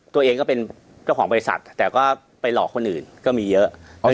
ตัวเองก็เป็นเจ้าของบริษัทแต่ก็ไปหลอกคนอื่นก็มีเยอะ